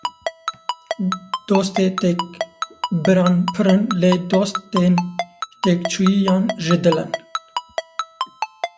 Dostê têkbiran pir in, lê dostên têkçûyiyan ji dil in.